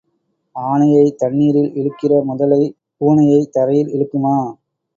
ஆனையைத் தண்ணீரில் இழுக்கிற முதலை பூனையைத் தரையில் இழுக்குமா?